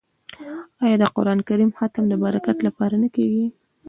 آیا د قران کریم ختم د برکت لپاره نه کیږي؟